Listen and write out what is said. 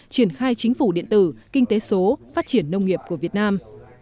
triển khai chính phủ điện tử kinh tế số phát triển nông nghiệp của việt nam